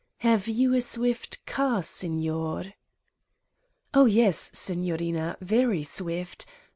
"Have you a swift car, Signor!" "Oh, yes, Signorina, very swift!